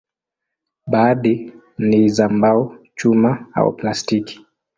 Baadhi ni za mbao, chuma au plastiki.